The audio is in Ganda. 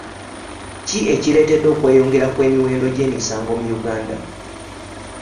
Ki ekireetedde okweyongera kw'emiwendo gy'emisango mu Uganda?